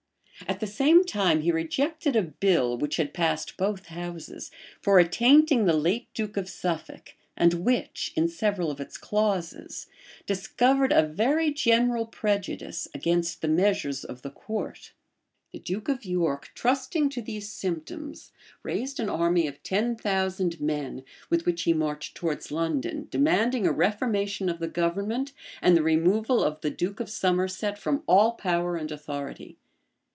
At the same time he rejected a bill, which had passed both houses, for attainting the late duke of Suffolk, and which, in several of its clauses, discovered a very general prejudice against the measures of the court. {1452.} The duke of York, trusting to these symptoms, raised an army of ten thousand men, with which he marched towards London, demanding a reformation of the government, and the removal of the duke of Somerset from all power and authority.